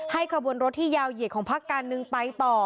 ให้ขบวนรถที่ยาวเหยกของพักการหนึ่งไปต่อ